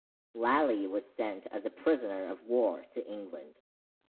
Lally was sent as a prisoner of war to England.